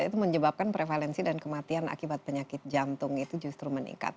itu menyebabkan prevalensi dan kematian akibat penyakit jantung itu justru meningkat